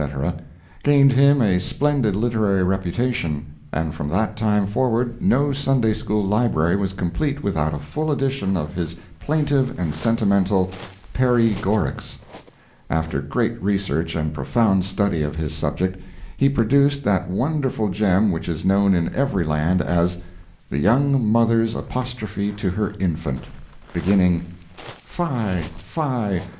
gained him a splendid literary reputation, and from that time forward no Sunday school library was complete without a full edition of his plaintive and sentimental "Perry Gorics." After great research and profound study of his subject, he produced that wonderful gem which is known in every land as "The Young Mother's Apostrophe to Her Infant," beginning: "Fie! fie!